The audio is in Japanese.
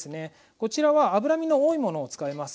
こちらは脂身の多いものを使います。